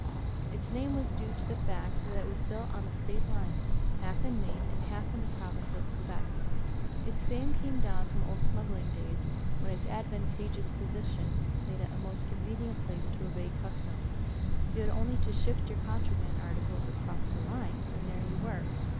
Its name was due to the fact that it was built on the State line, half in Maine and half in the Province of Quebec. Its fame came down from old smuggling days, when its advantageous position made it a most convenient place to evade customs. You had only to shift your contraband articles across the line, and there you were.